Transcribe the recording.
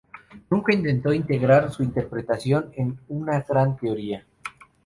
Nunca intentó integrar su interpretación en una gran teoría.